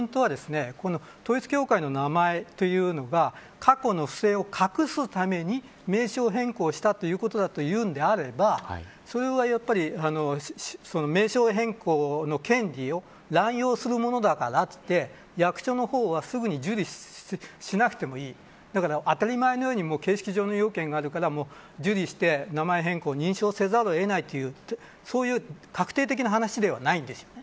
ですから、今回のポイントは統一教会の名前というのが過去の不正を隠すために名称変更したということだというのであればそれは、やっぱり名称変更の権利を乱用するものだからといって役所の方はすぐに受理しなくてもいい。当たり前のように形式上の要件があるから受理して名前変更を認証せざるを得ないといってそういう確定的な話ではないです。